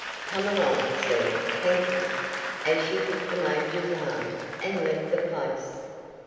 Come along, sir. Thank you," as she took the major's arm, and left the place.